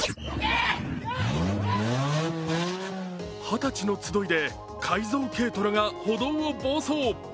はたちの集いで改造軽トラが歩道を暴走。